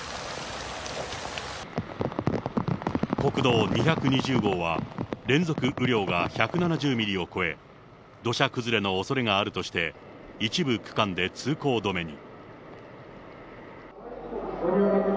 国道２２０号は、連続雨量が１７０ミリを超え、土砂崩れのおそれがあるとして、一部区間で通行止めに。